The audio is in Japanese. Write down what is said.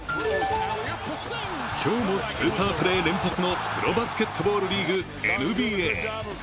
今日もスーパープレー連発のプロバスケットボールリーグ、ＮＢＡ。